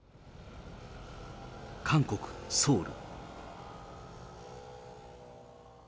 韓国・ソウル。